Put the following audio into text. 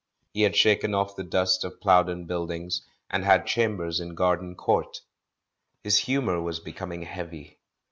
He had shaken off the dust of Plowden Build ings, and had chambers in Garden Court. His humour was becoming heavy.